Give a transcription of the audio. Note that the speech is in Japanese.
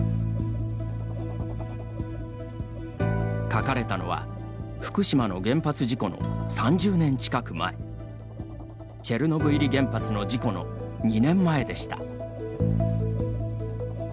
かかれたのは福島の原発事故の３０年近く前チェルノブイリ原発の事故の２年前でした。